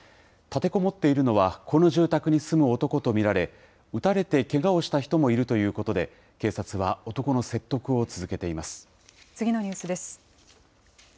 立てこもっているのはこの住宅に住む男と見られ、撃たれてけがをした人もいるということで、警察は男の説得を続け次のニュースです。